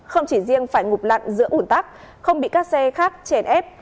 không chỉ riêng phải ngụp lặn giữa ủn tắc không bị các xe khác chèn ép